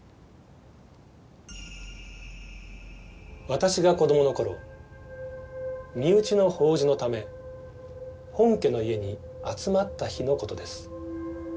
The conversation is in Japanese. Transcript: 私が子どもの頃身内の法事のため本家の家に集まった日のことです。